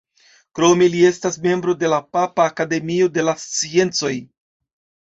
Krome li estas membro de la Papa Akademio de la sciencoj.